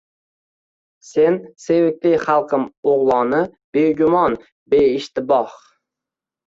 Sen sevikli xalqim o’g’li begumon, beishtiboh.